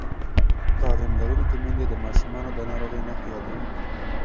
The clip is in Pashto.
تعلیم لرونکې میندې د ماشومانو د ناروغۍ نښې یادوي.